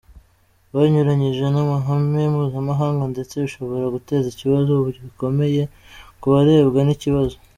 Banyuranyije n’amahame mpuzamahanga ndetse bishobora guteza ikibazo gikomeye ku barebwa n’ikibazo.